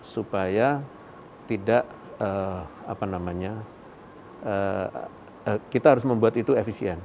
supaya tidak apa namanya kita harus membuat itu efisien